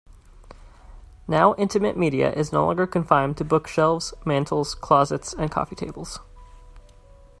Now intimate media is no longer confined to bookshelves, mantles, closets, and coffee tables.